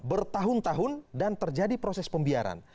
bertahun tahun dan terjadi proses pembiaran